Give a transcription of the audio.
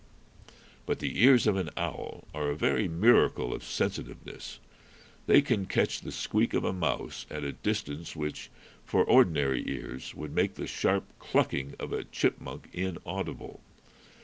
But the ears of an owl are a very miracle of sensitiveness. They can catch the squeak of a mouse at a distance which, for ordinary ears, would make the sharp clucking of a chipmunk inaudible.